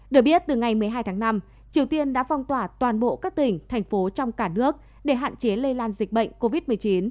được biết từ ngày một mươi hai tháng năm triều tiên đã phong tỏa toàn bộ các tỉnh thành phố trong cả nước để hạn chế lây lan dịch bệnh covid một mươi chín